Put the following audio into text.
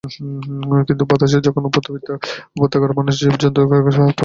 কিন্তু বাতাস তখন উপত্যকার মানুষ ও জীব-জন্তুগুলোকে শহরবাসীদের উপর ফেলে দেয়।